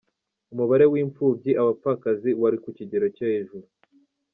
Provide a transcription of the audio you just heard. Umubare w’imfubyi, abapfakazi, wari ku kigero cyo hejuru.